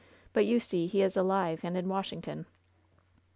But you see he is alive, and in Washington."